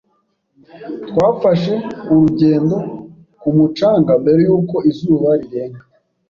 Twafashe urugendo ku mucanga mbere yuko izuba rirenga.